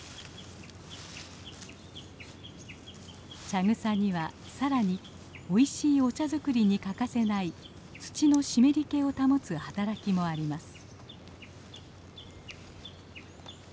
茶草にはさらにおいしいお茶作りに欠かせない土の湿り気を保つ働きもあります。